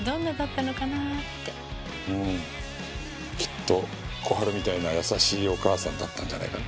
きっと小春みたいな優しいお母さんだったんじゃないか？